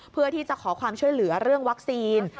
เพื่อที่จะขอความช่วยเหลือเรื่องวัคซีน